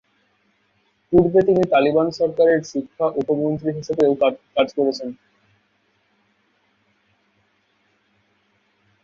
পূর্বে তিনি তালিবান সরকারের শিক্ষা উপমন্ত্রী হিসেবেও কাজ করেছেন।